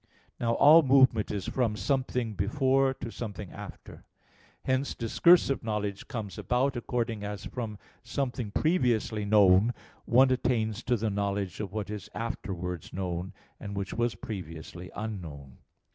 Now all movement is from something before to something after. Hence discursive knowledge comes about according as from something previously known one attains to the knowledge of what is afterwards known, and which was previously unknown.